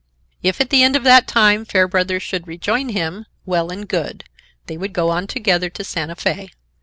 If at the end of that time Fairbrother should rejoin him, well and good. They would go on together to Santa Fe.